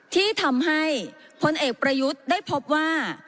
ที่ทำให้พลเอกประยุทธ์ได้พบว่า